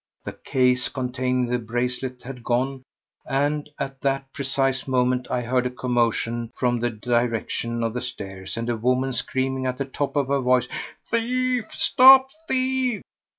The case containing the bracelet had gone, and at that precise moment I heard a commotion from the direction of the stairs and a woman screaming at the top of her voice: "Thief! Stop thief!"